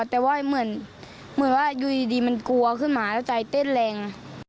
แต่ว่าเหมือนว่าอยู่ดีมันกลัวขึ้นมาแล้วใจเต้นแรง